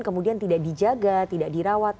kemudian tidak dijaga tidak dirawat